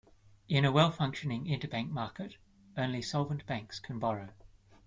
In a well-functioning interbank market only solvent banks can borrow.